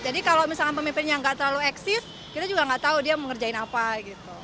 jadi kalau misalnya pemimpin yang nggak terlalu eksis kita juga nggak tahu dia mengerjain apa gitu